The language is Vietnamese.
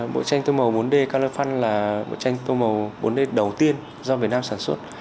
bộ tranh tô màu bốn d cana fun là tranh tô màu bốn d đầu tiên do việt nam sản xuất